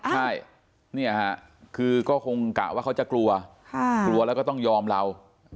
ใช่เนี่ยค่ะคือก็คงกะว่าเขาจะกลัวกลัวแล้วก็ต้องยอมเรา